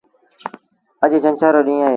اَڄ ڇنڇر رو ڏيٚݩهݩ اهي۔